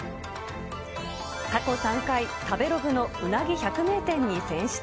過去３回、食べログのうなぎ百名店に選出。